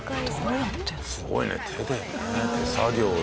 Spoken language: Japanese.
すごいね手でね。